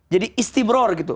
jadi istimror gitu